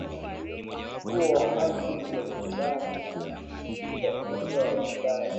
Mkuu wa haki za binadamu wa Umoja wa Ulaya